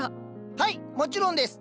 はいもちろんです！